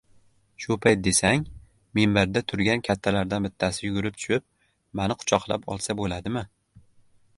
Shu payt desang, minbarda turgan kattalardan bittasi yugurib tushib mani quchoqlab olsa bo‘ladimi?